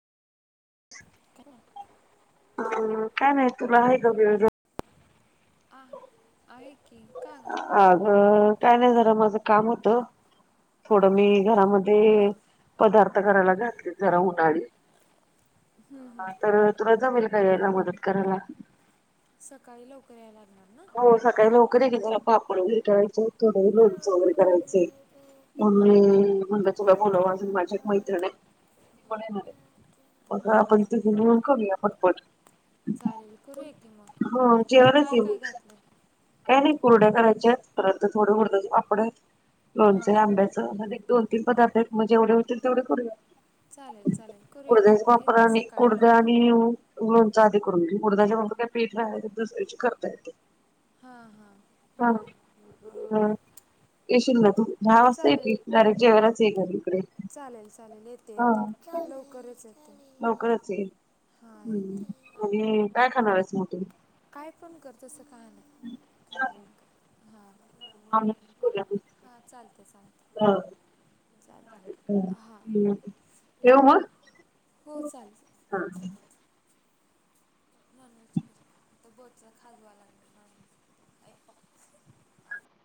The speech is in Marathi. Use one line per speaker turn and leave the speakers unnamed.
तिकडे
ह काय नाही तुला हायदा वेळ
अ आहे की का ग
अग काय नाही जरा माझं काम होत थोडं मी
हां
घरामध्ये पदार्थ करायला घातले जरा उन्हाळी तर तुला जमेल का यायला मदत करायला
सकाळी लवकर यायला लागणार ना
हो सकाळी लवकरे जला बापड उेटायचं थोडं लोणचं वगैरे करायचय
हां हां
मगी मंग तुला बोलाव अजून माझ्या एक मैत्रण आहे पण येणार आहे बघ
हां
आपण
हां
इथे घन करूया पटपट
चालेल करूया की मग काय काय का
काय नाही कोरड्या करायच्या आहेत परंत थोडं उडदाचा पापड लोणचे
हां हां
आंब्याचं म्हध्ये दोन तीन पदार्थ आहेत मग जेवढे होतील तेवढे करूया
चालेल चालेल करूया की
कुडद्याचा
मग
वापर
येते
आणि
सकाळी
कुडद्या
लवकर
आणि लोणचा आधी करून घ कुडद्याचे म्हर पीठा ते दुसरी च करताेत
हां हां
हा ह येशील ना तू दहा वाजता
चालेल
येेती डायरेक्ट जेवायलाच ये घरी इकडे
चालेल चालेल येते
हा
येते लवकरच येते
लवकरच ये
हां येते
ह् आणि काय खाणार आहेस मग
काय फोन कर तस काय नाही काय फोन कर हां हां चालते चालते चालते हां
केव
हो चालते
म
बोचा खाजूवा लागल